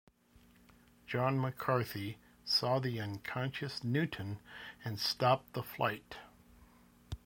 John McCarthy saw the unconscious Newton and stopped the fight.